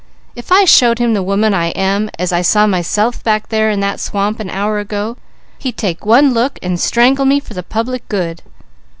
If I showed him the woman I am, as I saw myself back there in that swamp an hour ago, he'd take one look, and strangle me for the public good."